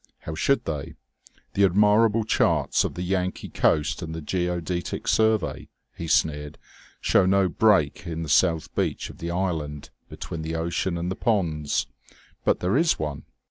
How should they? The admirable charts of the Yankee Coast and Geodetic Survey" he sneered "show no break in the south beach of the island, between the ocean and the ponds. But there is one.